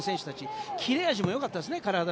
体の切れ味もよかったですね。